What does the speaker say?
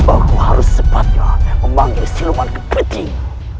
aku harus sepatnya memanggil siluman kepenting